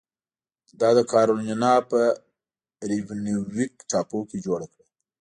دا د کارولینا په ریونویک ټاپو کې جوړه کړه.